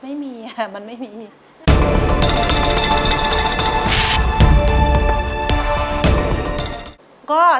ไม่มีมันไม่มีไม่มี